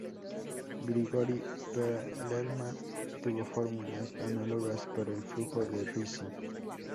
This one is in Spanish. Grigori Perelman obtuvo fórmulas análogas para el flujo de Ricci.